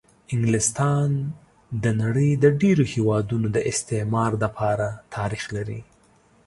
انګلستان د د نړۍ د ډېرو هېوادونو د استعمار دپاره تاریخ لري.